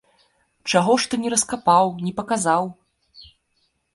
Чаго ж ты не раскапаў, не паказаў?